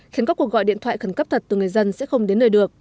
khiến các cuộc gọi điện thoại khẩn cấp thật từ người dân sẽ không đến nơi được